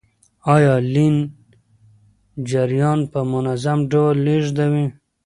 آیا لین جریان په منظم ډول لیږدوي؟